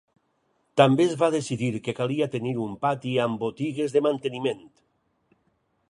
També es va decidir que calia tenir un pati amb botigues de manteniment.